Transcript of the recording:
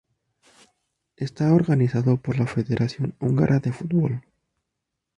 Está organizado por la Federación Húngara de Fútbol.